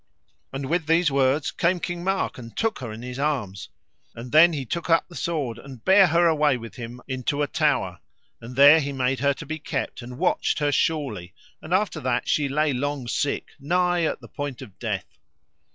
And with these words came King Mark and took her in his arms, and then he took up the sword, and bare her away with him into a tower; and there he made her to be kept, and watched her surely, and after that she lay long sick, nigh at the point of death.